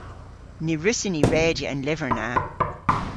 Ny wrussyn ni redya an lyver na.